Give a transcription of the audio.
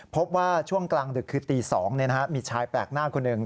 พบว่าช่วงกลางดึกคือตี๒มีชายแปลกหน้าคนหนึ่ง